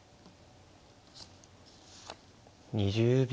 ２０秒。